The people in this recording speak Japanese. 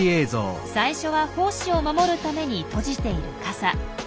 最初は胞子を守るために閉じている傘。